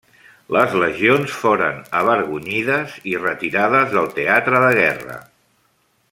Les legions foren avergonyides i retirades del teatre de guerra.